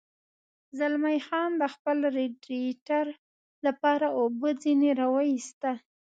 زلمی خان د خپل رېډیټر لپاره اوبه ځنې را ویستل.